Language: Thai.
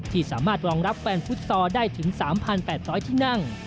ที่สามารถรองรับแฟนฟุตซอลได้ถึง๓๘๐๐ที่นั่ง